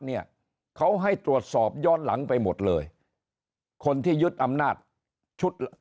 เนี่ยเขาให้ตรวจสอบย้อนหลังไปหมดเลยคนที่ยึดอำนาจชุด